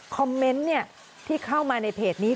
คอมเมนต์ที่เข้ามาในเพจนี้